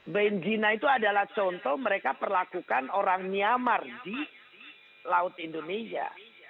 benzina itu adalah contoh mereka perlakukan orang myanmar di laut indonesia